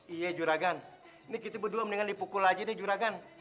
iya jura gan ini kita berdua mendingan dipukul aja nih jura gan